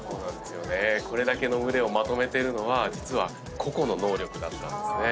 これだけの群れをまとめてるのは実は個々の能力だったんですね。